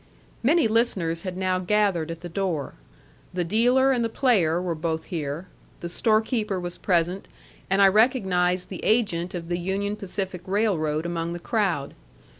Many listeners had now gathered at the door. The dealer and the player were both here. The storekeeper was present, and I recognized the agent of the Union Pacific Railroad among the crowd.